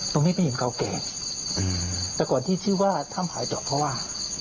แต่ก่อนที่ชื่อว่าถ้ำหายจอกเพราะว่า